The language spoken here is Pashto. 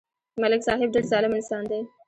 ملک صاحب ډېر ظالم انسان دی